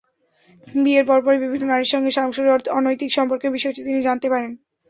বিয়ের পরপরই বিভিন্ন নারীর সঙ্গে শামছুরের অনৈতিক সম্পর্কের বিষয়টি তিনি জানতে পারেন।